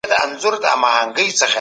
د رایي اچوني مرکزونه چیرته وي؟